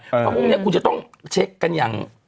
เพราะพรุ่งนี้คุณจะต้องเช็คกันอย่าง